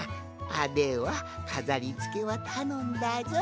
ではかざりつけはたのんだぞい！